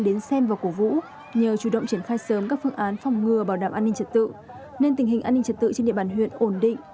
đến xem và cổ vũ nhờ chủ động triển khai sớm các phương án phòng ngừa bảo đảm an ninh trật tự nên tình hình an ninh trật tự trên địa bàn huyện ổn định